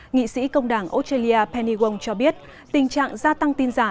nghị sĩ công đảng australia penny gong cho biết tình trạng gia tăng tin giả